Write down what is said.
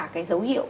cái dấu hiệu này